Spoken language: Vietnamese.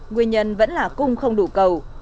nguyên nhân vẫn là cung không đủ cầu